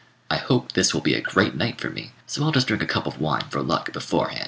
I hope this will be a great night for me, so I'll just drink a cup of wine for luck beforehand."